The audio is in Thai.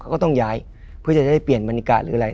เขาก็ต้องย้ายเพื่อจะได้เปลี่ยนบรรยากาศหรืออะไร